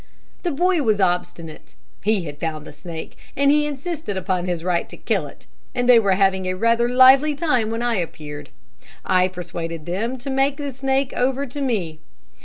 The boy was obstinate. He had found the snake, and he insisted upon his right to kill it, and they were having rather a lively time when I appeared. I persuaded them to make the snake over to me.